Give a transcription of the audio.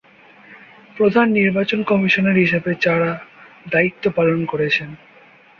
প্রধান নির্বাচন কমিশনার হিসাবে যারা দায়িত্ব পালন করেছেন।